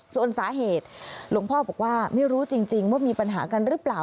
ส่วนสาเหตุหลวงพ่อบอกว่าไม่รู้จริงว่ามีปัญหากันหรือเปล่า